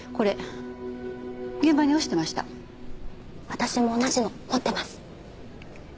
私も同じの持ってます。